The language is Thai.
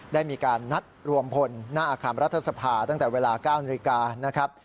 ได้มีการนัดรวมพลในอาคารรัฐสภาวิทยาละครตั้งแต่เวลา๙นิริกา